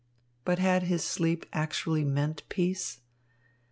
But had his sleep actually meant peace?